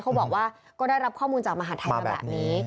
เขาบอกว่าก็ได้รับข้อมูลจากมหาดไทยมาแบบนี้